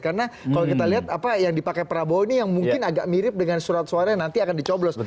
karena kalau kita lihat apa yang dipakai prabowo ini yang mungkin agak mirip dengan surat suara yang nanti akan dicoblos